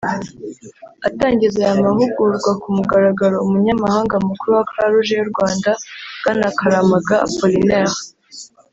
Atangiza aya mahugurwa ku mugaragaro Umunyamabanga mukuru wa Croix-Rouge y’ U Rwanda bwana Karamaga Apollinaire